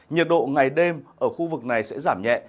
nhiệt độ ngày đêm ở khu vực này sẽ giảm nhẹ